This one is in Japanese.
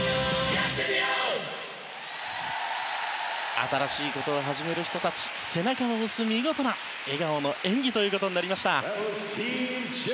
新しいことを始める人たち背中を押す、見事な笑顔の演技ということになりました。